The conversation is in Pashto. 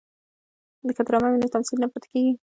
که ډرامه وي نو تمثیل نه پاتې کیږي.